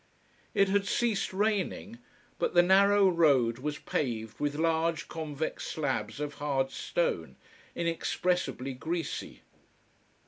It had ceased raining. But the narrow road was paved with large, convex slabs of hard stone, inexpressibly greasy.